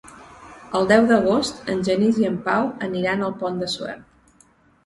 El deu d'agost en Genís i en Pau aniran al Pont de Suert.